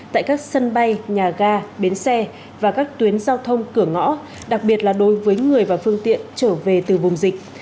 tại các sân bay nhà ga bến xe và các tuyến giao thông cửa ngõ đặc biệt là đối với người và phương tiện trở về từ vùng dịch